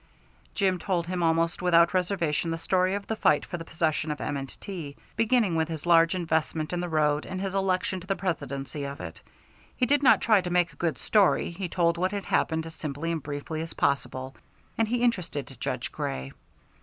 Jim told him almost without reservation the story of the fight for the possession of M. & T., beginning with his large investment in the road and his election to the presidency of it. He did not try to make a good story; he told what had happened as simply and briefly as possible, and he interested Judge Grey.